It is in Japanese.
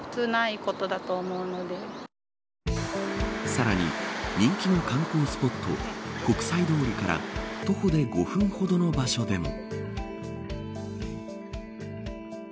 さらに人気の観光スポット国際通りから徒歩で５分ほどの場所でも。